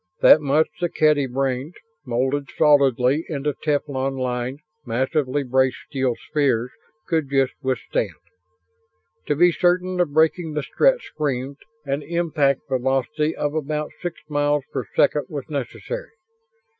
That much the Kedy brains, molded solidly into teflon lined, massively braced steel spheres, could just withstand. To be certain of breaking the Strett screens, an impact velocity of about six miles per second was necessary.